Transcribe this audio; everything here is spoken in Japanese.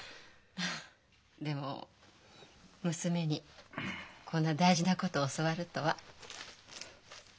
でも娘にこんな大事なこと教わるとは。